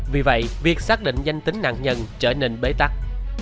vì vậy việc xác định danh tính nạn nhân trở nên bế tắc